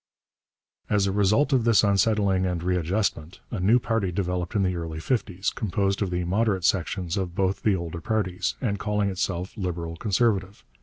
As a result of this unsettling and readjustment, a new party developed in the early fifties, composed of the moderate sections of both the older parties, and calling itself Liberal Conservative.